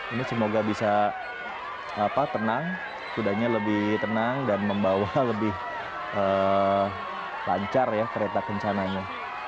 ini semoga bisa tenang kudanya lebih tenang dan membawa lebih lancar ya kereta kencananya